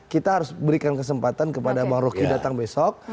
kita harus berikan kesempatan kepada bang roky datang besok